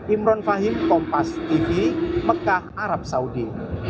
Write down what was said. imron fahim kompas tv mekah arab saudi